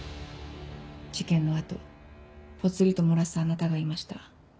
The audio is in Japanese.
事件の後ポツリと漏らすあなたがいました。